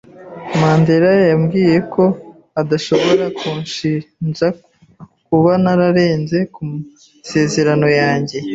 Mandera yambwiye ko adashobora kunshinja kuba narenze ku masezerano yanjye.